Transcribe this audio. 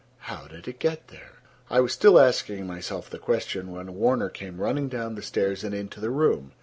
How did it get there? I was still asking myself the question when Warner came running down the stairs and into the room.